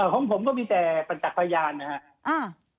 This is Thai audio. ของผมก็มีแต่ปัญจักรไพยานอ่ะค่ะ